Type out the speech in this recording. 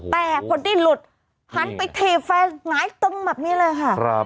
แต่พอดีหลุดหันไปถีบแฟนหงายตึงแบบนี้เลยค่ะ